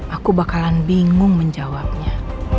aku bakalan bingung menjawabnya